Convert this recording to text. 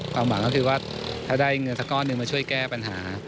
ความหวังก็คือว่าถ้าได้เงินสักก้อนหนึ่งมาช่วยแก้ปัญหา